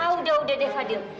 ah udah udah deh fadil